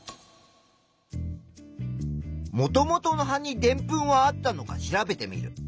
もともとの葉にでんぷんはあったのか調べてみる。